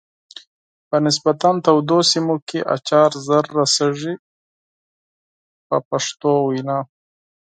په نسبتا تودو سیمو کې اچار زر رسیږي په پښتو وینا.